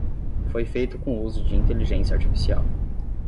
Foi feito com uso de inteligência artificial